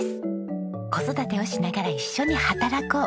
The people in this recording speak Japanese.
「子育てをしながら一緒に働こう」